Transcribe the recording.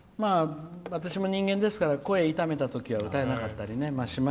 私も人間ですから声痛めたときは歌えなかったりね。